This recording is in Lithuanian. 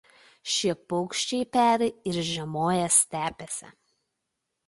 Šie paukščiai peri ir žiemoja stepėse.